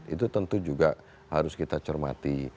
itu tentu juga harus kita cermati